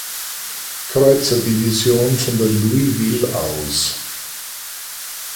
Kreuzerdivision von der "Louisville" aus.